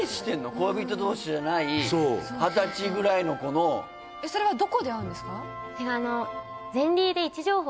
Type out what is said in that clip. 恋人同士じゃない二十歳ぐらいの子のそれはどこで会うんですか？